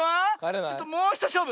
ちょっともうひとしょうぶ！